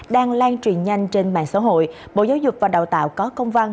đang lan truyền nhanh trên mạng xã hội bộ giáo dục và đào tạo có công văn